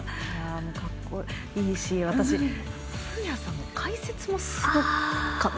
かっこいいし、私古屋さんの解説もすごくよかった。